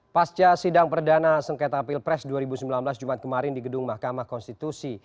pasca sidang perdana sengketa pilpres dua ribu sembilan belas jumat kemarin di gedung mahkamah konstitusi